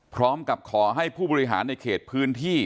พร้อมกับขอให้ผู้บริหารในเขตพื้นที่